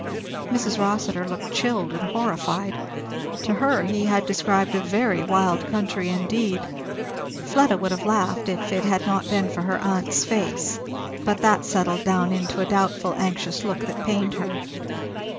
Mrs. Rossitur looked chilled and horrified. To her he had described a very wild country indeed. Fleda would have laughed if it had not been for her aunt's face; but that settled down into a doubtful anxious look that pained her.